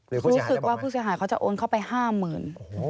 รู้สึกว่าผู้เสียหายเขาจะโอนเข้าไป๕๐๐๐บาท